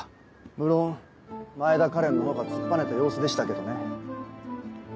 無論前田花恋のほうが突っぱねた様子でしたけどね。